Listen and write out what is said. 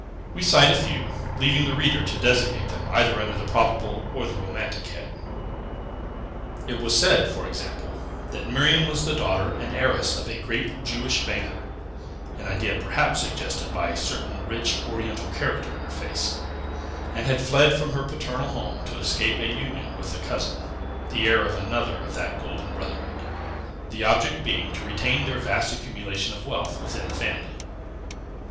We cite a few, leaving the reader to designate them either under the probable or the romantic head. It was said, for example, that Miriam was the daughter and heiress of a great Jewish banker (an idea perhaps suggested by a certain rich Oriental character in her face), and had fled from her paternal home to escape a union with a cousin, the heir of another of that golden brotherhood; the object being to retain their vast accumulation of wealth within the family.